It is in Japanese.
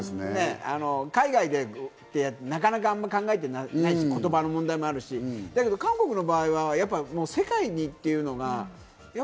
海外でやるってなかなか考えてないし、言葉の問題もあるし、だけど韓国の場合は世界にというのが。